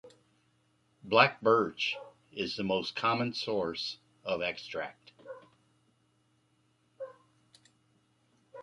Black birch is the most common source of extract.